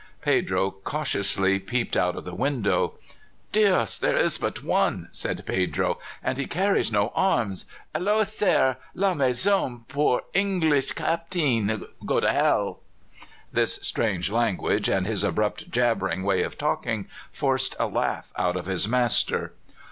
Pedro cautiously peeped out of the window. "Dios! there is but one," said Pedro, "and he carries no arms. Hallo, sair! la maison for Inglis Captin! Go to hell!" This strange language, and his abrupt, jabbering way of talking, forced a laugh out of his master.